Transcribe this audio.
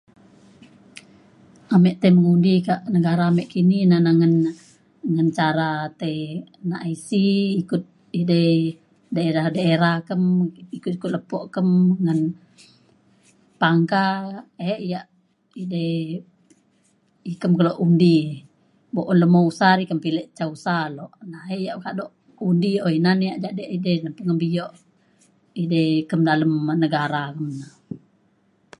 ame tai mengundi ka negara ame kini na ngan ngan cara tei nak IC ikut edei daerah daerah kem ikut ikut lepo kem ngan pangkah ek ia' edei ikem kelo undi bok un lema usa re ikem pilek ca usa lok na ia' kado undi ina na jadi edei na pengebio edei kem dalem negara dulu na